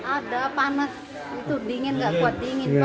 ada panas itu dingin enggak kuat dingin pak